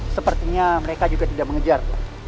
sepertinya mereka juga tidak mengejar